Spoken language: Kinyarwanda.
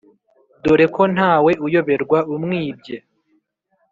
dore ko ntawe uyoberwa umwibye